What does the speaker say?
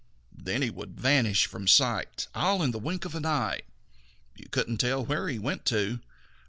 Then he would vanish from sight all in the wink of an eye. You couldn't tell where he went to.